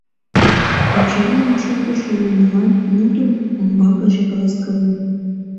Пачерлан шогышо нунылан мутым умбакыже каласкален.